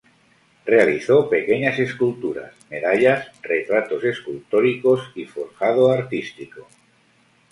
Realizó pequeñas esculturas, medallas, retratos escultóricos y forjado artístico.